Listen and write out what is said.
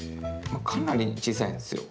かなり小さいんですよ